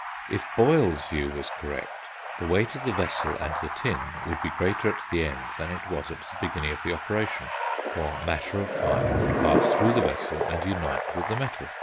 If Boyle's view was correct, the weight of the vessel and the tin would be greater at the end than it was at the beginning of the operation; for "matter of fire" would pass through the vessel and unite with the metal.